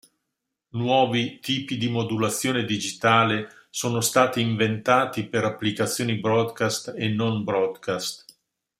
Nuovi tipi di modulazione digitale sono stati inventati per applicazioni broadcast e non broadcast.